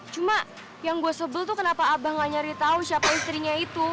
cuma yang gue sebel tuh kenapa abah gak nyari tahu siapa istrinya itu